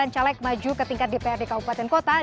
empat puluh sembilan caleg maju ke tingkat dprd kabupaten kota